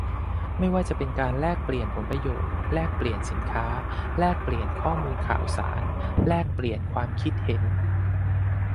ไม่ว่าจะเป็นการแลกเปลี่ยนผลประโยชน์ แลกเปลี่ยนสินค้า แลกเปลี่ยนข้อมูลข่าวสาร แลกเปลี่ยนความคิดเห็น